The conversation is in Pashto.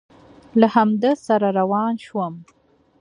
له همده سره روان شوم.